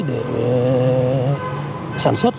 để sản xuất